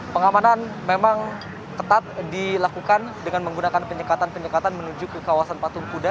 pengamanan memang ketat dilakukan dengan menggunakan penyekatan penyekatan menuju ke kawasan patung kuda